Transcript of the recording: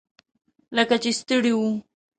لکه چې ستړي وو.